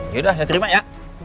yaudah saya terima ya